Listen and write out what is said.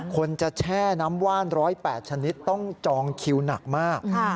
คนจะแช่น้ำว่าน๑๐๘ชนิดต้องจองคิวหนักมาก